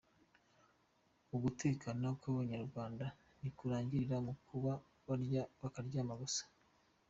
Ugutekana kw’abanyarwanda ntikurangirira mu kuba barya bakaryama gusa.